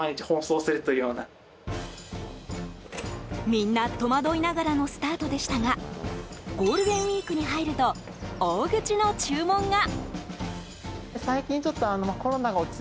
みんな戸惑いながらのスタートでしたがゴールデンウィークに入ると大口の注文が。